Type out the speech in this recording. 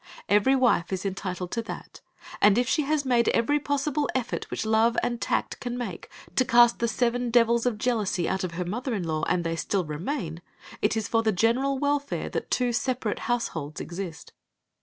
Every wife is entitled to that, and if she has made every possible effort which love and tact can make to cast the seven devils of jealousy out of her mother in law, and they still remain, it is for the general welfare that two separate households exist.